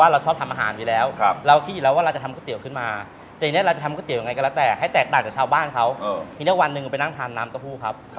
ระแต่ให้แตกต่างจากชาวบ้านเขาถึงถึงวันนึงออกไปนั่งทานน้ำตะพูครับ